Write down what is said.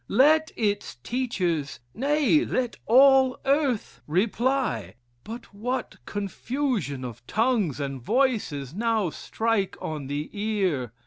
Let its teachers nay, let all earth reply! But what confusion of tongues and voices now strike on the ear!